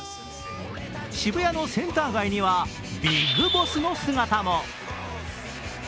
渋谷のセンター街にはビッグボスの姿も。